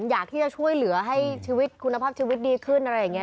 อยากที่จะช่วยเหลือให้ชีวิตคุณภาพชีวิตดีขึ้นอะไรอย่างนี้